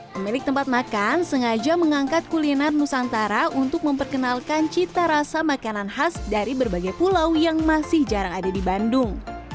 pemilik tempat makan sengaja mengangkat kuliner nusantara untuk memperkenalkan cita rasa makanan khas dari berbagai pulau yang masih jarang ada di bandung